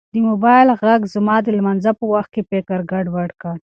د موبایل غږ زما د لمانځه په وخت کې فکر ګډوډ کړ.